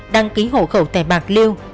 đăng ký hộ khẩu tại bạc liêu